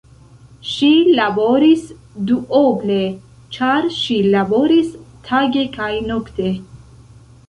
Ŝi laboris duoble, ĉar ŝi laboris tage kaj nokte.